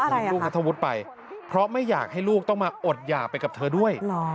เพราะอะไรอะคะเพราะไม่อยากให้ลูกต้องมาอดหย่าไปกับเธอด้วย